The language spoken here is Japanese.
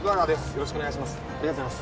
よろしくお願いします